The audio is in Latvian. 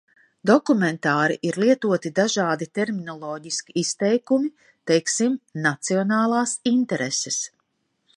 "Dokumentāri ir lietoti daži terminoloģiski izteikumi, teiksim "nacionālās intereses"."